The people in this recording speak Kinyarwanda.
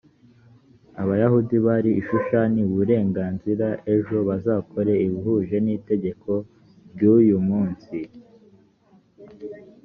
abayahudi bari i shushani uburenganzira ejo bazakore ibihuje n itegeko ry uyu munsi